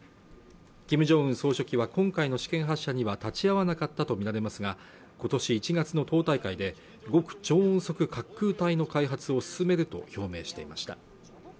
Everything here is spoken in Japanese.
金正恩総書記は今回の試験発射には立ち会わなかったと見られますが今年１月の党大会で極超音速滑空体の開発を進めると表明していました